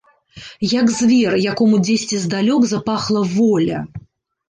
Як звер, якому дзесьці здалёк запахла воля.